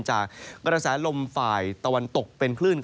จากกระแสลมฝ่ายตะวันตกเป็นคลื่น